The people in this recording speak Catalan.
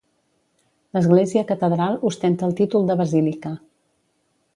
L'Església Catedral ostenta el títol de Basílica.